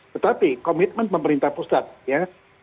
tetapi komitmen pemerintah pusat ya